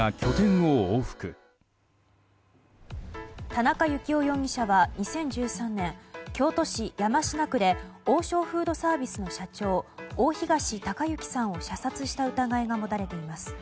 田中幸雄容疑者は２０１３年京都市山科区で王将フードサービスの社長大東隆行さんを射殺した疑いが持たれています。